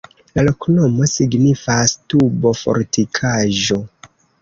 La loknomo signifas: tubo-fortikaĵo.